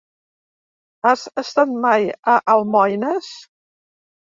Has estat mai a Almoines?